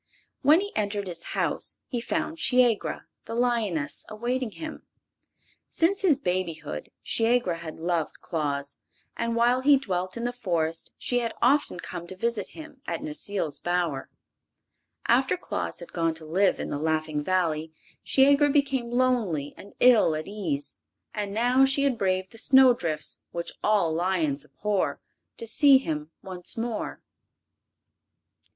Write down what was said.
When he entered his house he found Shiegra, the lioness, awaiting him. Since his babyhood Shiegra had loved Claus, and while he dwelt in the Forest she had often come to visit him at Necile's bower. After Claus had gone to live in the Laughing Valley Shiegra became lonely and ill at ease, and now she had braved the snow drifts, which all lions abhor, to see him once more.